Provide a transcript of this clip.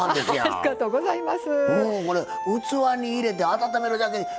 ありがとうございます。